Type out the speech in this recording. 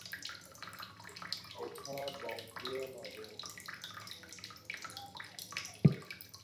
এছাড়া বংশী নদের তীরে একটি নৌকা জাদুঘর স্থাপনের কাজও অগ্রসরমান।